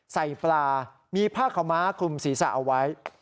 ใส่ปลามีผ้าขาวม้าคลุมศีรษะเอาไว้